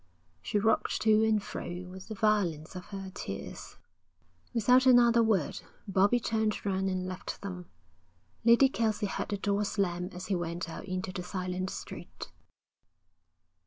She rocked to and fro with the violence of her tears. Without another word Bobbie turned round and left them. Lady Kelsey heard the door slam as he went out into the silent street.